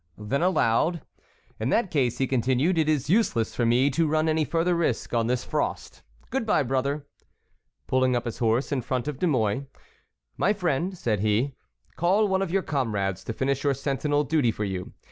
Then aloud: "In that case," he continued, "it is useless for me to run any further risk on this frost. Good by, brother!" Pulling up his horse in front of De Mouy: "My friend," said he, "call one of your comrades to finish your sentinel duty for you.